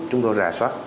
chúng tôi rà soát